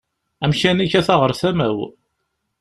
Amkan-ik ata ɣer tama-w